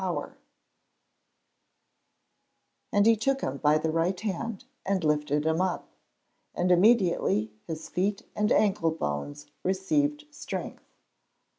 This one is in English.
[Verse: "And he took him by the right hand, and lifted him up; and immediately his feet and ankle bones received strength."